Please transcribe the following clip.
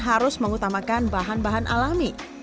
harus mengutamakan bahan bahan alami